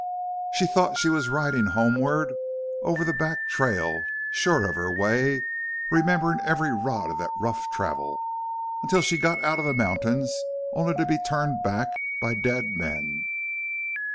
She thought she was riding homeward over the back trail, sure of her way, remembering every rod of that rough travel, until she got out of the mountains, only to be turned back by dead men.